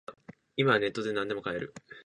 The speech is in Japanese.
今はネットでなんでも買える